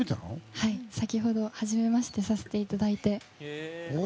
はい、先ほど、はじめましてさせていただいて。